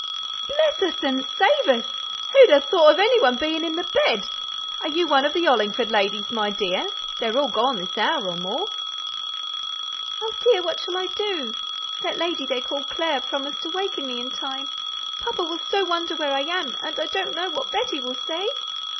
"Bless us and save us! who'd ha' thought of any one being in the bed? Are you one of the Hollingford ladies, my dear? They are all gone this hour or more!" "Oh, dear, what shall I do? That lady they call Clare promised to waken me in time. Papa will so wonder where I am, and I don't know what Betty will say."